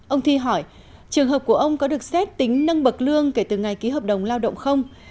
ông thi hỏi trường hợp của ông có được xét tính nâng bậc lương kể từ ngày ký hợp đồng lao động không